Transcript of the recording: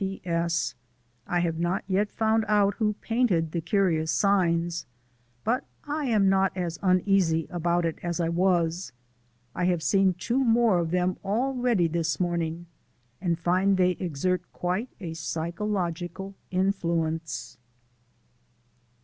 P. S. I have not yet found out who painted the curious signs; but I am not as uneasy about it as I was. I have seen two more of them already this morning and find they exert quite a psychological influence.